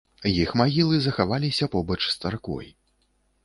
Іх магілы захаваліся побач з царквой.